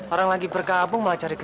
orang lagi berkabung